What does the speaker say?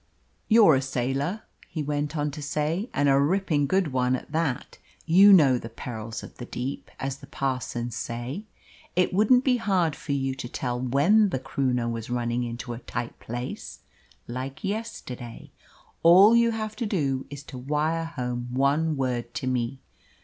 "You're a sailor," he went on to say, "and a ripping good one at that. You know the perils of the deep, as the parsons say. It wouldn't be hard for you to tell when the Croonah was running into a tight place like yesterday. All you have to do is to wire home one word to me.